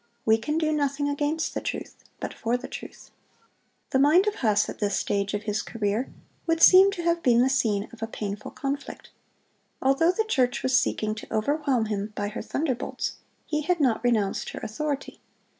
"We can do nothing against the truth, but for the truth."(129) "The mind of Huss, at this stage of his career, would seem to have been the scene of a painful conflict. Although the church was seeking to overwhelm him by her thunderbolts, he had not renounced her authority.